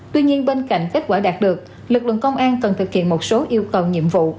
tuy nhiên bên cạnh kết quả đạt được lực lượng công an cần thực hiện một số yêu cầu nhiệm vụ